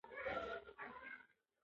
زه د چاکلېټ، چېپس او مغزیاتو خوند خوښوم.